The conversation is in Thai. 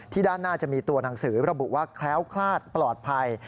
ด้านหน้าจะมีตัวหนังสือระบุว่าแคล้วคลาดปลอดภัย